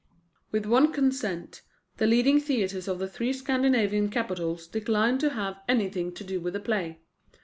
With one consent, the leading theatres of the three Scandinavian capitals declined to have anything to do with the play.